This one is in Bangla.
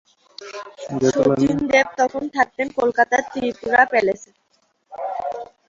শচীন দেব তখন থাকতেন কলকাতার ত্রিপুরা প্যালেসে।